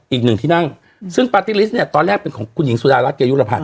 อีกหนึ่งที่นั่งซึ่งปาร์ตี้ลิสต์เนี่ยตอนแรกเป็นของคุณหญิงสุดารัฐเกยุรพันธ